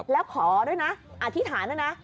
แล้วขอด้วยนะอธิษฐานด้วยนะ